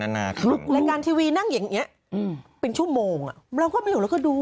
รายการทีวีนั่งอย่างนี้เป็นชั่วโมงเราก็ไม่อยู่เราก็ดู